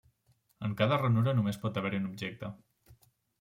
En cada ranura només pot haver-hi un objecte.